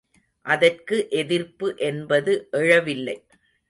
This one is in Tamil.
அதற்கு எதிர்ப்பு என்பது எழவில்லை.